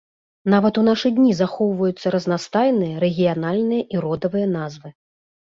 Нават у нашы дні захоўваюцца разнастайныя рэгіянальныя і родавыя назвы.